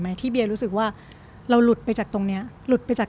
ที่เบียรู้สึกว่าเราหลุดไปจากตรงเนี้ยหลุดไปจาก